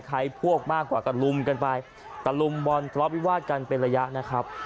ใครพวกมากกว่าก็ลุมกันไปตะลุมบอลทะเลาะวิวาดกันเป็นระยะนะครับ